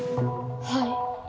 はい。